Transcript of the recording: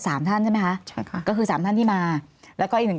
สามท่านใช่ไหมคะใช่ค่ะก็คือสามท่านที่มาแล้วก็อีกหนึ่ง